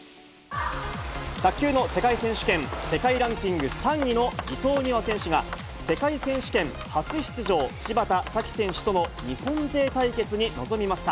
卓球の世界選手権、世界ランキング３位の伊藤美誠選手が、世界選手権初出場、芝田沙季選手との日本勢対決に臨みました。